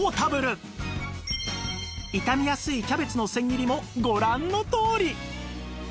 傷みやすいキャベツの千切りもご覧のとおり！